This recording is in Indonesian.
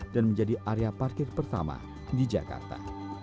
dan menjadi area parkir pertama di jakarta